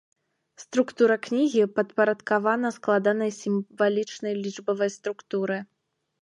Структура кнігі падпарадкавана складанай сімвалічнай лічбавай структуры.